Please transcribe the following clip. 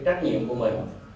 cái trách nhiệm của mình